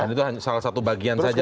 itu salah satu bagian saja